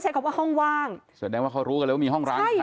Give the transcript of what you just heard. ใช้คำว่าห้องวางส่วนแรกว่าเขารู้กันแล้วมีห้องร้าง